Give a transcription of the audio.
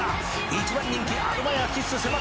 「一番人気アドマイヤキッス迫ってくる」